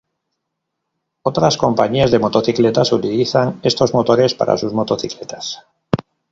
Otras compañías de motocicletas utilizan estos motores para sus motocicletas.